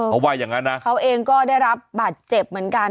เขาว่าอย่างนั้นนะเขาเองก็ได้รับบาดเจ็บเหมือนกัน